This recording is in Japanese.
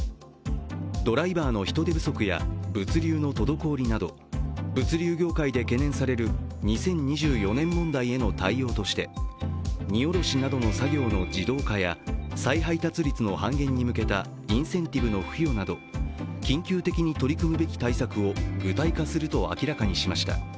ドライバーの人手不足や物流の滞りなど物流業界で懸念される２０２４年問題への対応として荷降ろしなどの作業の自動化や再配達率の半減に向けたインセンティブの付与など緊急的に取り組むべき対策を具体化すると明らかにしました。